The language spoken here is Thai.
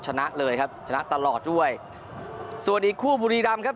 ชนะเลยครับชนะตลอดด้วยส่วนอีกคู่บุรีรำครับ